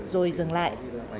rồi dừng lại